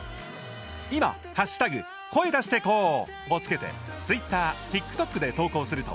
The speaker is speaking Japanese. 今「＃声だしてこー」をつけてツイッター、ＴｉｋＴｏｋで投稿すると